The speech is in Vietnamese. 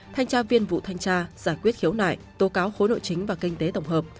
thanh tra viên vụ thanh tra giải quyết khiếu nại tố cáo khối nội chính và kinh tế tổng hợp